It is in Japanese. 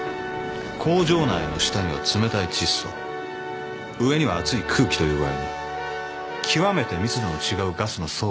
工場内の下には冷たい窒素上には熱い空気という具合に極めて密度の違うガスの層ができてしまった。